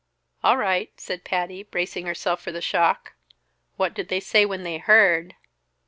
"All right," said Patty, bracing herself for the shock. "What did they say when they heard?"